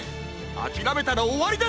あきらめたらおわりです！